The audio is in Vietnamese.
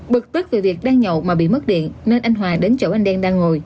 bực tức về việc đang nhậu mà bị mất điện nên anh hòa đến chỗ anh đen đang ngồi